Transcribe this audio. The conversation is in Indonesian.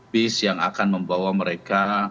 bis yang akan membawa mereka